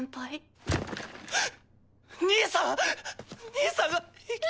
兄さんが生きて。